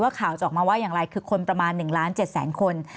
ข่าวจะออกมาว่าอย่างไรคือคนประมาณ๑ล้าน๗แสนคน